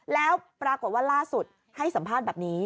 แล้วปรากฏว่าล่าสุดให้สัมภาษณ์แบบนี้